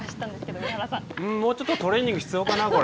もうちょっとトレーニングが必要かな、これ。